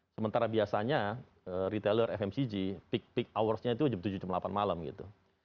sementara biasanya retailer fmcg peak hours nya itu jam tujuh delapan malam gitu